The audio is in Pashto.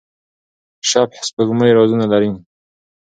شبح سپوږمۍ رازونه لري.